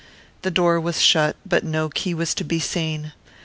The door was shut, but no key was to be seen.